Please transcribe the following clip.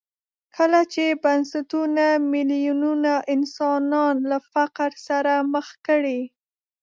کله چې بنسټونه میلیونونه انسانان له فقر سره مخ کړي.